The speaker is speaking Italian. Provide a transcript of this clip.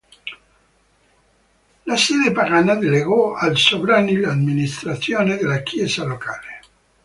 La Santa Sede delegò ai sovrani l'amministrazione della Chiesa locale.